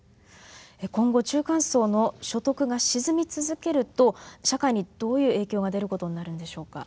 今後中間層の所得が沈み続けると社会にどういう影響が出ることになるんでしょうか。